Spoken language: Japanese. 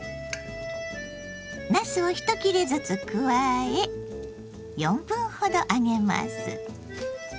なすを１切れずつ加え４分ほど揚げます。